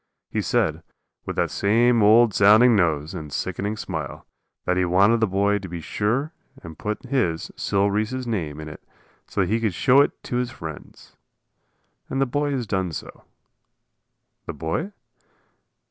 He said, with that same old sounding nose and sickening smile, that he wanted the boy to be sure and put his, Sil Reese's name, in it so that he could show it to his friends. And the boy has done so. The boy?